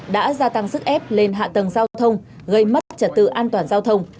đã gia tăng sức ép lên hạ tầng giao thông gây mất trật tự an toàn giao thông